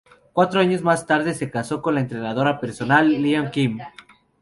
Cuatro años más tarde, se casó con la entrenadora personal Lyon Kim.